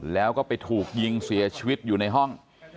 แล้วก็ไปถูกยิงเสียชีวิตอยู่ในห้อง